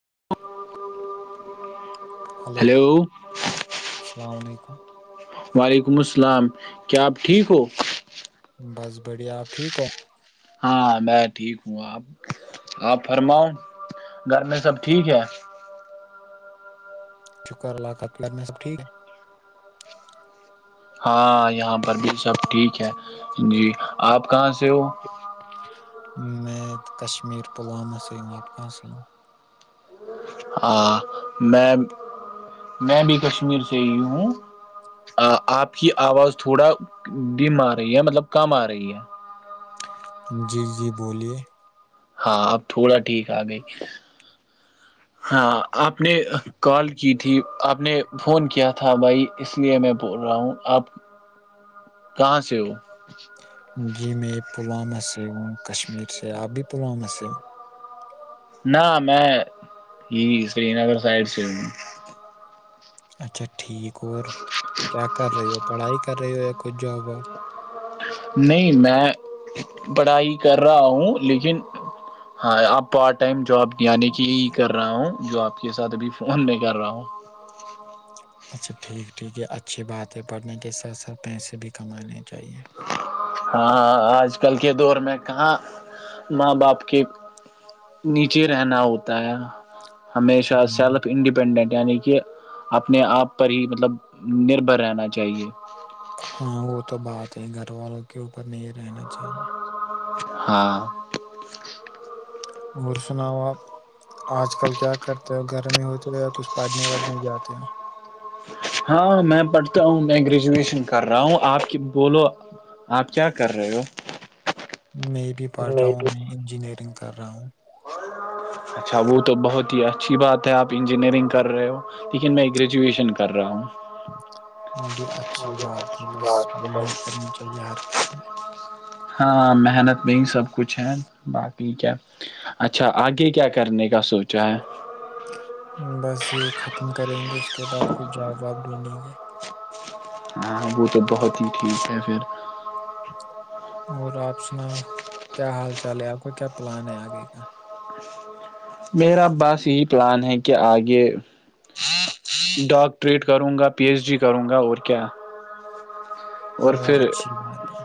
[inaudible] hello hello السلام علیکم [inaudible] وعلیکم السلام کیا آپ ٹھیک ہو بس بڑھیا آپ ٹھیک ہو ہاں میں ٹھیک ہوں آ آپ فرماؤں گھر میں سب ٹھیک ہے شکر اللہ کا آپ کے کر میں سب ٹھیک ہاں یہاں پر بھی سب ٹھیک ہے جی آپ کہاں سے ہو میں کشمیر پلوامہ سے ہوں آپ کہاں سے ہوں ہ میں میں بھی کشمیر سے ہی ہوں آپ کی آواز تھوڑا دم آ رہی ہے مطلب کم آ رہی ہے جی جی بولیے ہاں اب تھوڑا ٹھیک آ گئی ہاں آپ نے کال کی تھی آپ نے فون کیا تھا بھائی اس لیے میں بول رہا ہوں آپ کہاں سے ہو جی میں پلوامس کشمیر سے آپب بھی پلوم سے نہ میں یہ سری نگر سائڈ سے ہ ہ اچھاچھا ٹھیک اور کیا کر رہی ہو پڑھائی کر رہی ہو یا کچھ جاب واب نہیں میں پڑھائی کر رہا ہوں لیکن ہاں آپ پارٹ ٹائم جاب یعنی کہ یہ کر رہا ہوں جو آپ کی کے ساتھ اب فون نہیں کر رہا ہوں اچھا ٹھیک ٹھیک ہے اچھی بات ہے پڑھنے کے ساتھ ساتھ پیسے بھی کمانے چاہیئے ہاں آج کل کے دور میں کہاں ماں باپ کے نیچے رہنا ہوتا ہے ہمیشہ ہاں سیلف انڈیپینڈنٹ یعنی کہ اپنے آپ پر ہی مطلب نربھر رہنا چاہیے ہاں وہ تو تو بات ہے گھر والوں کے اوپر نہیں رہنا چاہیے ہاں اور سناؤ آپ آج کل کیا کرتے ہو گرمی ہوتی رہے کچھ پڑنے وڑھنے جاتے ہو ہاں میں پڑھتا ہوں میں گریجویشن کر رہا ہوں آپ کی بولو آپ کیا کر رہے ہو میں بھی پڑھ رہا ہوں میں انجینئرنگ کر رہاؤ اچھا وہ تو بہت ہی اچھی بات ہے آپ انجینئرنگ کر رہے ہو لیکن میں گریجویشن کر رہا ہوں وہ بھی اچھی بات ہے بس محنت کرنی چاہیے ہر کسی میں ہاں محنت میں ہی سب کچھ ہے باقی کیا اچھا آگے کیا کرنے کا سوچا ہے بس یہ ختم کریں گے اس کے بعد کچئی جاب واب ڈھونڈیں گے ہاں وہ تو بہت ہی ٹھیک ہے پھر اور رات سناؤ کیا حال چ چلے آپ کو کیا پلان ہے آگے کا میرا باس یہی پلان ہے کہ آگے ڈاکٹریٹ کروں گا پی ایچ ڈی کروں گا اور کیا اور وہ پھر اچھی بات ہے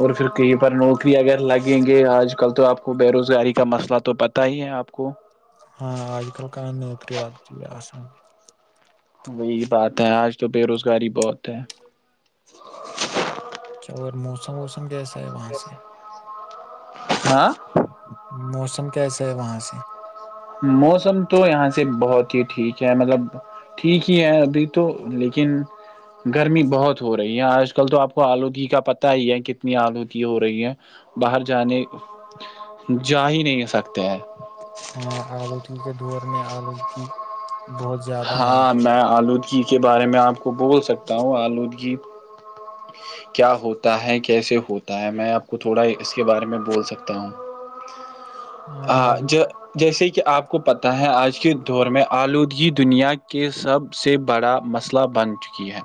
اور پھر کہیں پر نوکری اگر لگیں گے آج کل تو آپ کو بے روزگاری کا مسئلہ تو پتا ہی ہے آپ کو ہاں آج کل کااں نوکری لگتا آسام وہی بات ہے آج تو بے روزگاری بہت ہے اچھا اور موسم ووسم گس ہے وہاں سے ہاں کیسے ہے وہاں سے موسم تو یہاں سے بہت یہ ٹھیک ہے مطلب ٹھیک ہی ہے ابھی تو لیکن گرمی بہت ہو رہی ہے آج کل تو آپ کو آلودی کا پتا ہی ہے کتنی آلودی ہو رہی ہے باہر جانے جا ہی نہیں سکتے ہیں ہاں اور کے دور میں آلودگی بہت زیادہ ہے ہاں میں آلو جی کے بارے میں آپ کو بول سکتا ہوں آلودگی کیا ہوتا ہے کیسے ہوتا ہے میں آپ کو تھوڑا اس کے بارے میں بول سکتا ہوں ہاں ج جیسے کہ آپ کو پتا ہے آج کے دور میں آلودگی دنیا کے سب سے بڑا مسئلہ بن چکی ہے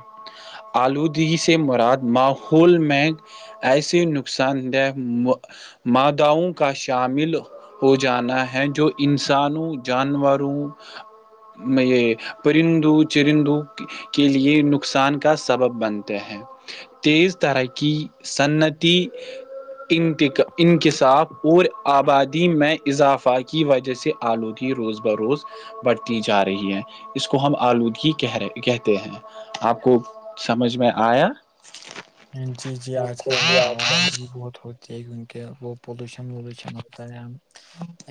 آلودگی سے مراد ماحول میں ایسے نقصان دہ ماداؤں کا شامل ہو جانا ہے جو انسانوں جانوروں میں یہ پرندو چرندو کے لیے نقصان کا سبب بنتے ہیں تیز ترقی صنتی ان انکشاف اور آبادی میں اضافہ کی وجہ سے آلودگی روز ب روز بڑھتی جا رہی ہے اس کو ہم آلودگی کہ رہے کہتے ہیں آپ کو سمجھ میں آیا جی جی آج کل آواد بھی بہت ہوتی کیونکہ وہ پولوشن وولوشن ہوتا ہے ہم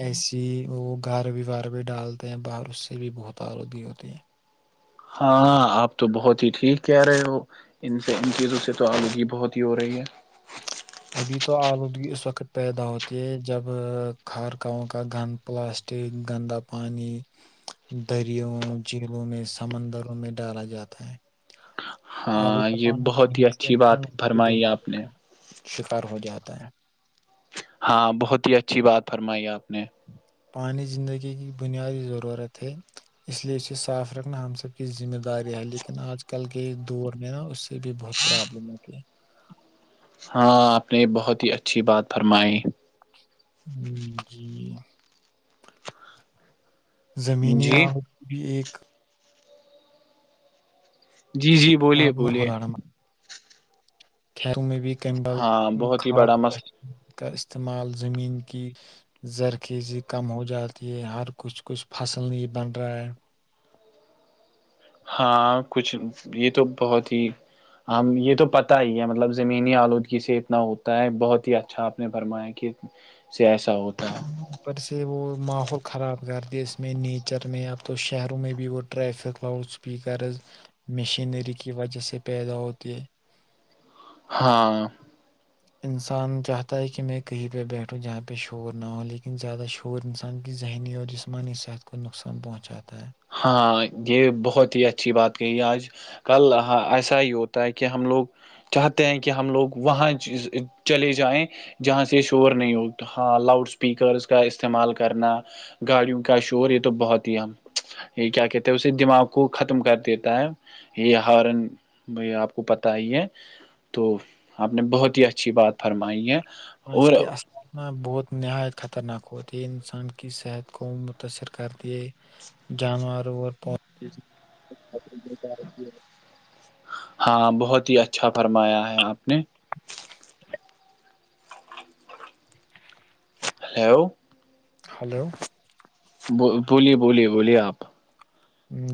ایسی ہی وہ گار بھی وار بھی ڈالتے ہیں باہر اس سے بھی بہت آلودگی ہوتی ہے ہاں آپ تو بہت ہی ٹھیک کہہ رہے ہو ان سے ان چیزوں سے تو آلودگی بہت ہی ہو رہی ہے ابھی تو آلودگی اس وقت پیدا ہوتی ہے جب خارکاوں کا گند پلاسٹک گندا پانی دروں جھیلوں میں سمندروں میں ڈالا جاتا ہے ہاں آلودہ یہ پانی بہت پینے ہی سے اچھی بات انسان کی فرمائی بیماری آپ نے کا شکار ہو جاتا ہے ہاں بہت ہی اچھی بات فرمائی آپ نے پانی زندگی کی بنیادی ضرورت ہے اس لیے اس صاف رکھنا ہم سب کی ذمہ داری ہے لیکن آج کل کے دور نہیں نا اس بھی بہت پرابلم ہوتی ہے ہاں آپ نے بہت ہی اچھی بات فرمائی ہ جی زمینی جی آالت بھی ایک جی جی بولیے بولیے کیروں میں بھی کیم بل ہاں بہت ہی بڑا کھاد مس کا استعمال زمین کی زرخیزی کم ہو جاتی ہے، ہر کچھ کچھ فصل نہیں بن رہا ہے ہاں کچھ یہ تو بہت ہی ہم یہ تو پتا ہی ہے مطلب زمینی آلودگی سے اتنا ہوتا ہے بہت ہی اچھا آپ نے فرمایا کہ سے ایسا ہوتا ہے ہ پر سے وہ ماحول خراب کر د اس میں نیچر میں اب تو شہروں میں بھی وہ ٹریفک لاؤڈ اسپیکرز مشینری کی وجہ سے پیدا ہوتے ہے ہاں انسان چاہتا ہے کہ میں کہیں پہ بیٹھوں جہاں پہ شور نہ ہو لیکن زیادہ شور انسان کی ذہنی اور جسمانی صحت کو نقصان پہنچاتا ہے ہاں یہ بہت ہی اچھی بات کہی ہے آج کل ایسا ہی ہوتا ہے کہ ہم لوگ چاہتے ہیں کہ ہم لوگ وہاں چلے جائیں جہاں سے شور نہیں ہو ہاں لاؤڈ اسپیکرس کا استعمال کرنا گاڑیوں کا شور یہ تو بہت ہی ہم یہ کیا کہتے ہیں اسے دماغ کو ختم کر دیتا ہے یہ ہارن ب آپ کو پتا ہی ہے تو آپ نے بہت ہی اچھی بات فرمائی ہے آج اور کے اسنا بہت نہایت خطرناک ہوتی ہے انسان کی صحت کو متاثر کرتی ہے جانوروں اور پود ہاں بہت ہی اچھا فرمایا ہے آپ نہیں ہلو ہلو ب بولیے بولیے بولیے آپ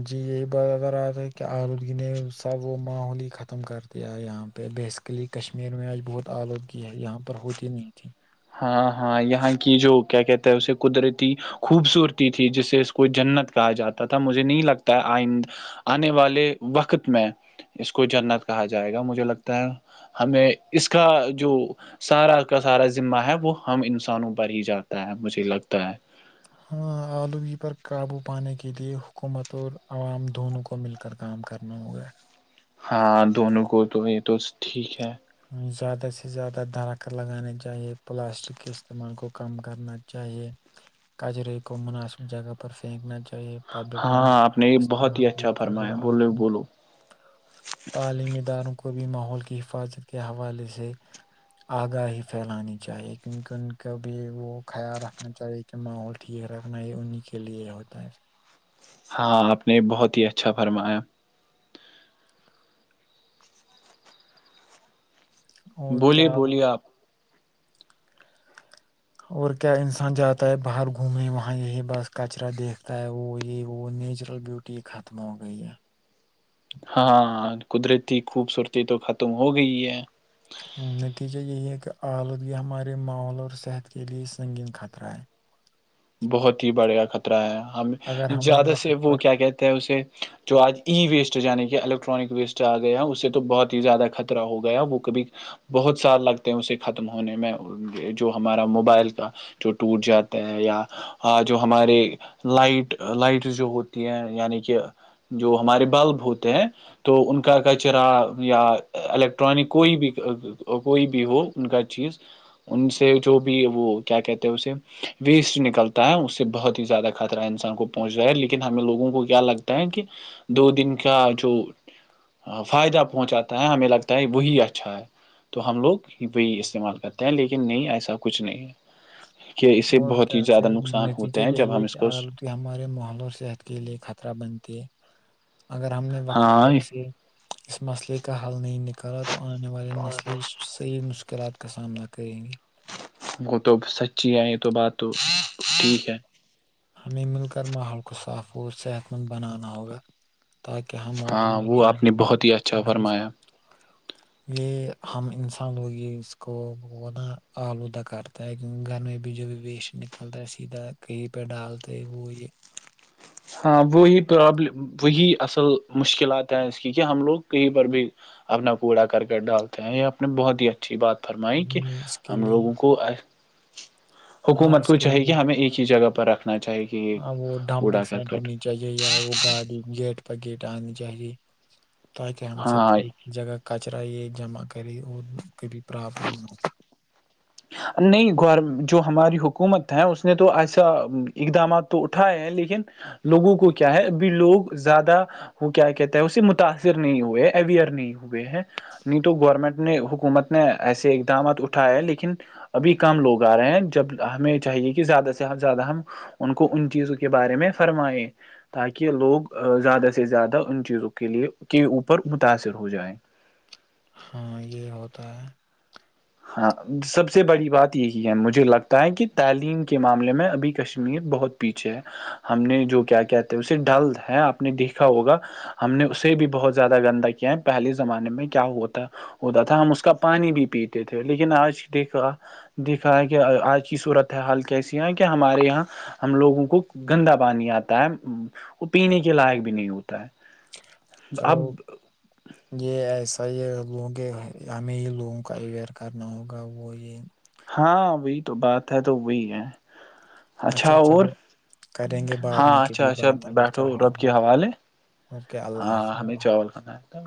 جی یہی ب ار رہا تھا کہ آلودگی نے سب وہ ماحول ہی ختم کر دیا یہاں پہ بیسیکلی کشمیر میں آج بہت آلودگی ہے یہاں پر ہوتی نہیں تھی ہاں ہاں یہاں کی جو کیا کہتے ہیں اسے قدرتی خوبصورتی تھی جسے اس کو جنت کہا جاتا تھا مجھے نہیں لگتا ہے آئند آنے والے وقت میں اس کو جنت کہا جائے گا مجھے لگتا ہے ہمیں اس کا جو سارا کا سارا ذمہا ہے وہ ہم انسانوں پر ہی جاتا ہے مجھے لگتا ہے ہاں آلودگی پر قابو پانے کے لیئے حکومت اور عوام دونوں کو مل کر کام کرنا ہوگا ہاں دونوں کو تو یہ تو ٹھیک ہے زیادہ سے زیادہ درخت لگانے چاہیے پلاسٹک کے استعمال کو کم کرنا چاہیے کچرے کو مناسب جگہ پر پھینکنا چاہیے پبلک ہاں ٹرانسپورٹ آپ کا نے بہت استعمال ہی بھی اچھا فرمایا بولو فضلودگی بولو تعلیمی اداروں کو کو بھی ماحول کی حفاظت کے حوالے سے آگاہی پھیلانی چاہیے کیونکہ ان کا بھی وہ خیال رکھنا چاہیے کہ ماحول ٹھیک رکھنا یہ انہی کے لیے ہوتا ہے ہاں آپ نے بہت ہی اچھا فرمایا اور بولیے کیا بولیے آپ اور کیا انسان جاتا ہے باہر گھومے وہاں یہی بس کچرا دیکھتا ہے وہ یہ وہ نیچرل بیوٹی ختم ہو گئی ہے ہاں قدرتی خوبصورتی تو ختم ہو گئی ہے نتیجہ یہی ہے آلودگی ہمارے ماحول اور صحت کے لیے سنگین خطرہ ہے بہت ہی بڑھیا خطرہ ہے ہم اگر ہم نے زیادہ سے وقت وہ پر کیا کہتے ہیں اسے جو آج ای ویسٹ ہو جانے کی الگ الیکٹرانک ویسٹ آ گیا اس سے تو بہت ہی زیادہ خطرہ ہو گیا وہ کبھی بہت سال لگتے ہیں اسے ختم ہونے میں جو ہمارا موبائل کا جو ٹوٹ جاتا ہے یا جو ہمارے لائٹ لائٹ جو ہوتی ہیں یعنی کہ جو ہمارے بلب ہوتے ہیں تو ان کا کچرا یا الیکٹرانک کوئی بھی کوئی بھی ہو ان کا چیز ان سے جو بھی وہ کیا کہتے ہیں اسے ویسٹ نک کلتا ہے اس سے بہت ہی زیادہ خطرہ انسان کو پہنچ رہا ہے لیکن ہمیں لوگوں کو کیا لگتا ہے کہ دو دن کا جو فائدہ پہنچاتا ہے ہمیں لگتا ہے وہی اچھا ہے تو ہم لوگ وہی استعمال کرتے ہیں لیکن نہیں ایسا کچھ نہیں ہے کہ اسے اور بہت کیا زیادہ پھر نقصان نتیجہ ہوتے ہیں جب یہی ہم ہے اس کہ کو اگر ہمارے ماحول اور صحت کے لیے خطرہ بن کہ اگر ہم نے وقت ہاں پر اسے اس مسئلے کا حل نہیں نکالا تو آنے والے نسل صحیح نسل مشکلات کا سامنا کریں گے وہ تو سچی آئی تو بات تو ٹھیک ہے ہمیں مل کر ماحول کو صاف و اور صحت مند بنانا ہوگا تاکہ ہم اور ہاں ہماریے وہ آپ آنے نے والے بہت آ ہی اچھا بہ فرمایا یہ ہم انسان لوگ یہ اس کو وہا آلودہ کرتا ہے کیونکہ گھر میں بھی جو بھی ویسٹ نکلتا ہے سیدھا کہئی پ ڈالتے وہ یہ ہاں وہی پرابلم وہی اصل مشکلات ہیں اس کی کہ ہم لوگ کہیں پر بھی اپنا کوڑا کر کر ڈالتے ہیں یہ اپنے بہت ہی اچھی بات فرمائ کہ ہمیں اس کے ہم لیے لوگوں کو ہاں حکومت اس کو کے چاہے کہ لیے ہمیں ایک ہی جگہ پر فرت نا چاہی کہ اڑا ٹ ہونی چاہیے ہے وہ گاڑی گیٹ پر گیٹ آنی چاہیے تو کہ ہم سب ہاں ایک ہی جگہ کاچر جمع کرے اور کبھی پراپت نہیں نہیں گور جو ہماری حکومت ہے اس نے تو ایسا اقدامات تو اٹھائے ہیں لیکن لوگوں کو کیا ہے ابھی لوگ زیادہ وہ کیا کہتے ہیں اسے متاثر نہیں ہوئے اویئر نہیں ہوئے ہیں نہیں تو گورنمنٹ نے حکومت نے ایسے اقدامات اٹھائے ہیں لیکن ابھی کم لوگ آ رہے ہیں جب ہمیں چاہیے کہ زیادہ سے ہم زیادہ ہم ان کو ان چیزوں کے بارے میں فرمائیں تاکہ لوگ زیادہ سے زیادہ ان چیزوں کے لیے کے اوپر متاثر ہو جائےیں ہاں یہ ہوتا ہے ہاں سب سے بڑی بات یہی ہے مجھے لگتا ہے کہ تعلیم کے معاملے میں ابھی کشمیر بہت پیچھے ہے ہم نے جو کیا کہتے ہیں اسے ڈلد ہے آپ نے دیکھا ہوگا ہم نے اسے بھی بہت زیادہ گندا کیا ہے پہلے زمانے میں کیا ہوتا ہوتا تھا ہم اس کا پانی بھی پیتے تھے لیکن آج دیکھا دیکھا ہے کہ آج کی صورت حال کیسی ہے کہ ہمارے یہاں ہم لوگوں کو گندا پانی آتا ہے وہ پینے کے لائق بھی نہیں ہوتا ہے چلو اب یہ ایسا تو یہ لوگوں کے ہمیں ہی لوگوں کو اویئر کرنا ہوگا وہ یہ ہاں وہی تو بات ہے تو وہی ہے اچھا چلو کریں گے بعد ہاں میں اچھا کبھی اچھا بات اگر بیٹھو چاہا رب کے حوالے اوکے اللہ ہاں ہمیں چاول کھانا ہے